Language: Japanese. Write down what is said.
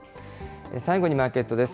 最後にマーケットです。